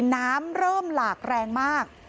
น้ำเริ่มหลากแรงมาก